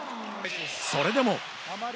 それでも。